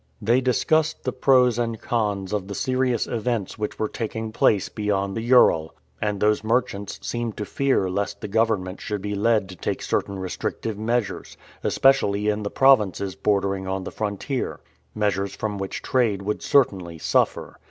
They discussed the pros and cons of the serious events which were taking place beyond the Ural, and those merchants seemed to fear lest the government should be led to take certain restrictive measures, especially in the provinces bordering on the frontier measures from which trade would certainly suffer.